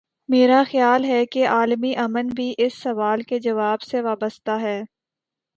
میرا خیال ہے کہ عالمی ا من اب اس سوال کے جواب سے وابستہ ہے۔